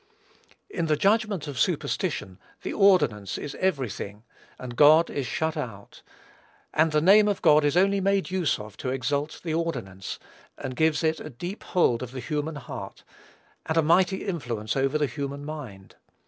In the judgment of superstition, the ordinance is every thing, and God is shut out; and the name of God is only made use of to exalt the ordinance, and give it a deep hold of the human heart, and a mighty influence over the human mind.